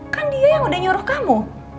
kan dia yang udah nyuruh kamu